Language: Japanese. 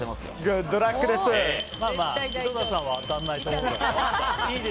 井戸田さんは当たらないと思うけど。